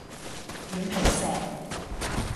軟皮蛇